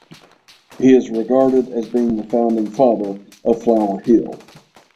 He is regarded as being the founding father of Flower Hill.